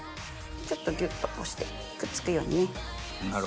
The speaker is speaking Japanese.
ちょっとギュっと押してくっつくように。